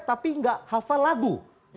tapi gak hafal lagu